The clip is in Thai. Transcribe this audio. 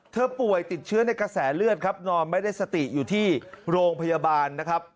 ป่วยติดเชื้อในกระแสเลือดครับนอนไม่ได้สติอยู่ที่โรงพยาบาลนะครับ